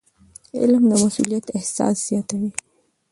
علم د مسؤلیت احساس زیاتوي.